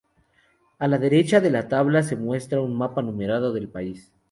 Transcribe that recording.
A la derecha de la tabla se muestra un mapa numerado del país.